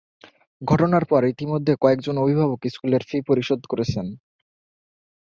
ঘটনার পর ইতিমধ্যে কয়েকজন অভিভাবক স্কুলের ফি পরিশোধ করেছেন।